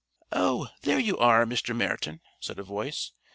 "Oh, there you are, Mr. Meryton," said a voice.